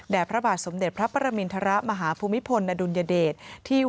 และเจอชิมโรคมหวัดของดูนกฆ่าเชิง